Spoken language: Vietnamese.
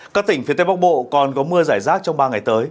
các tỉnh phía tây bắc bộ còn có mưa giải rác trong ba ngày tới